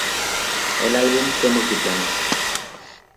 El álbum fue multiplatino.